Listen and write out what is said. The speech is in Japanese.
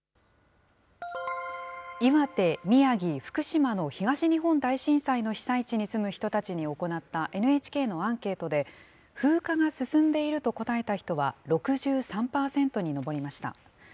岩手、宮城、福島の東日本大震災の被災地に住む人たちに行ったＮＨＫのアンケートで、風化が進んでいると答えた人は６３％に上りました。